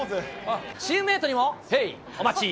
チームメートにも、へい、お待ち！